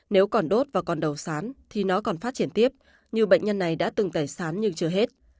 nếu còn đốt vào còn đầu sán thì nó còn phát triển tiếp như bệnh nhân này đã từng tẩy sán nhưng chưa hết